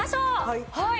はい。